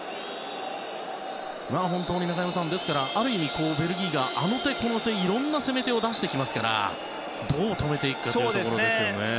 本当に中山さん、ある意味ベルギーがあの手、この手いろんな攻め手を出してきますからどう止めていくかというところですよね。